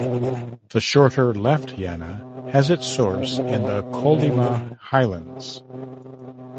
The shorter Left Yana has its source in the Kolyma Highlands.